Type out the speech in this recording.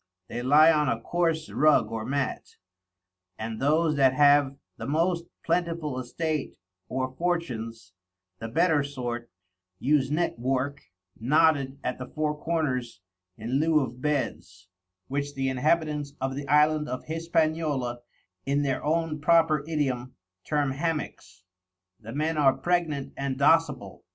They lye on a coarse Rug or Matt, and those that have the most plentiful Estate or Fortunes, the better sort, use Net work, knotted at the four corners in lieu of Beds, which the Inhabitants of the Island of Hispaniola, in their own proper Idiom, term Hammacks. The Men are pregnant and docible.